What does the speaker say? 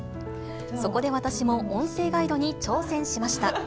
そこで私も音声ガイドに挑戦しました。